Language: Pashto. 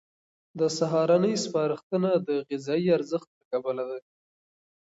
د سهارنۍ سپارښتنه د غذایي ارزښت له کبله ده.